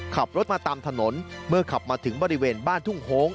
ขับรถมาตามถนนเมื่อขับมาถึงบริเวณบ้านทุ่งโฮง